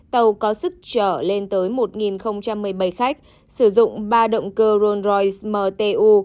tàu có sức trở lên tới một một mươi bảy khách sử dụng ba động cơ rolls royce mtu